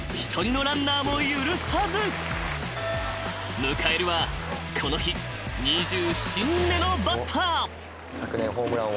［迎えるはこの日２７人目のバッター］